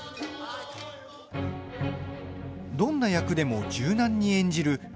どんな役でも柔軟に演じる